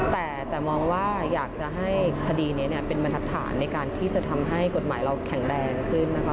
แต่มองว่าอยากจะให้คดีนี้เป็นบรรทัศนในการที่จะทำให้กฎหมายเราแข็งแรงขึ้นนะคะ